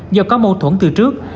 do có mâu thuẫn từ trước